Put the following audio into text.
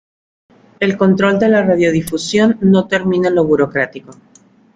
El control de la radiodifusión no terminaba en lo burocrático.